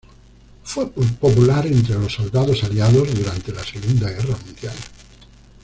Fue popular entre los soldados aliados durante la Segunda Guerra mundial.